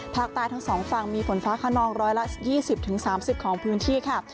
ภาคใต้ทั้งสองฝั่งมีฝนฟ้าขนองร้อยละ๒๐๓๐ของพื้นที่ค่ะ